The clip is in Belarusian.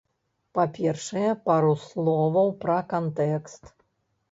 Па-першае, пару словаў пра кантэкст.